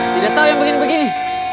tidak tahu yang begini begini